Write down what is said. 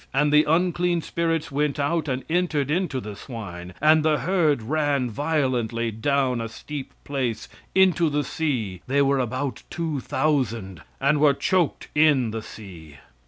And the unclean spirits went out, and entered into the swine; and the herd ran violently down a steep place into the sea (they were about two thousand), and were choked in the sea."